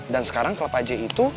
dan sekarang klopaje itu